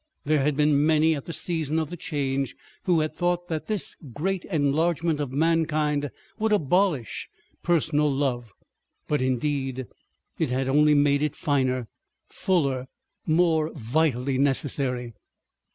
There had been many at the season of the Change who had thought that this great enlargement of mankind would abolish personal love; but indeed it had only made it finer, fuller, more vitally necessary.